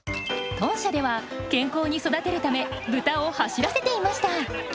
豚舎では健康に育てるため豚を走らせていました。